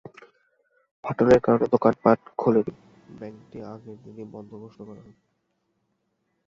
ফাটলের কারণে দোকানপাট খোলেনি, ব্যাংকটি আগের দিনই বন্ধ ঘোষণা করা হয়।